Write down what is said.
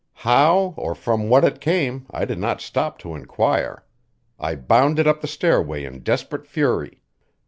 How or from what it came I did not stop to inquire; I bounded up the stairway in desperate fury.